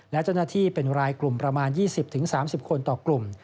และเจ้าหน้าที่เป็นรายกลุ่มประมาณ๒๐๓๐คนต่อกลุ่ม